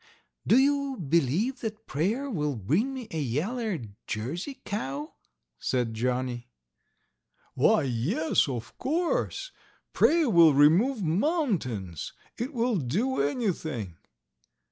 "Do you believe that prayer will bring me a yaller Jersey cow?" said Johnny. "Why, yes, of course. Prayer will remove mountains. It will do anything."